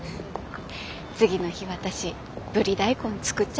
次の日私ブリ大根作っちゃいましたし。